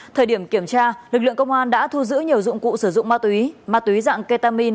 thời điểm kiểm tra lực lượng công an đã thu giữ nhiều dụng cụ sử dụng ma túy ma túy dạng ketamin